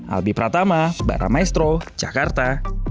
albi pratama baramaestro jakarta